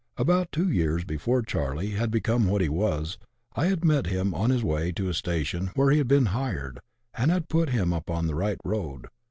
About two years before Charley had become what he was, I had met him on his way to a'station where he had been hired, and had put him upon the right road.